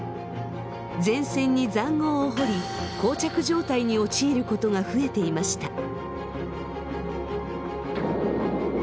前線に塹壕を掘りこう着状態に陥ることが増えていました。